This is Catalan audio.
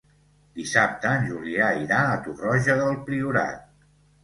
Dissabte en Julià irà a Torroja del Priorat.